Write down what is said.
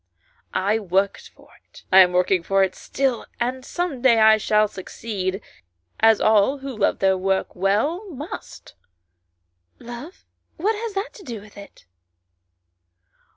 " I worked for it ; I am working for it still, and some day I shall succeed, as all, who love their work well, must." "Love what has that to do with it?"